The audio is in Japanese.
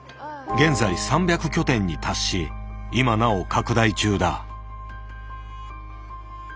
現在３００拠点に達し今なお拡大中だ。